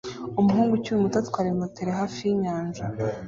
Umuhungu ukiri muto atwara ibimoteri hafi yinyanja